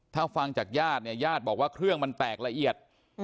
ถ้าฟังจากญาติเนี่ยญาติบอกว่าเครื่องมันแตกละเอียด